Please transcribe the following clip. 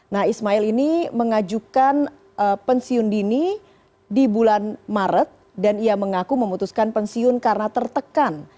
nah ismail ini mengajukan pensiun dini di bulan maret dan ia mengaku memutuskan pensiun karena tertekan